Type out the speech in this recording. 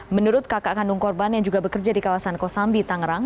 menurut kakak kandung korban yang juga bekerja di kawasan kosambi tangerang